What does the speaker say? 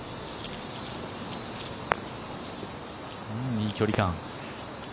いい距離感。